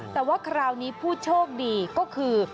แต่ว่าคราวนี้ผู้โชคดีก็คือ